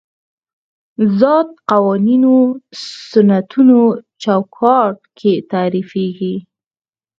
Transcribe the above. ذات قوانینو سنتونو چوکاټ کې تعریفېږي.